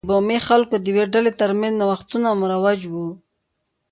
د بومي خلکو د یوې ډلې ترمنځ نوښتونه مروج و.